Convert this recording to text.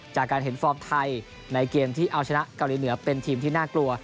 จากการเห็นฟอร์มไทยในเกมที่เอาชนะเกาหลีเหนือเป็นทีมที่น่ากลัว